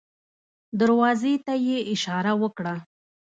دروازې ته يې اشاره وکړه.